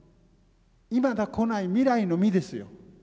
いまだ来ない未来の「未」ですよ。